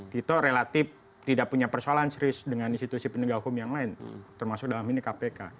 tito relatif tidak punya persoalan serius dengan institusi penegak hukum yang lain termasuk dalam ini kpk